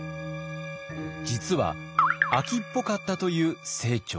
実は飽きっぽかったという清張。